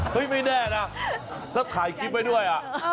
หึไม่แน่นะก็ถ่ายคลิปด้วย